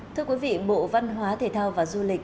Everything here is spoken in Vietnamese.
thưa quý vị bộ văn hóa thể thao và du lịch